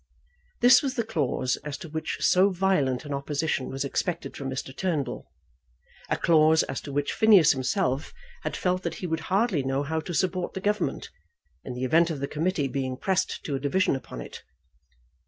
This was the clause as to which so violent an opposition was expected from Mr. Turnbull, a clause as to which Phineas himself had felt that he would hardly know how to support the Government, in the event of the committee being pressed to a division upon it.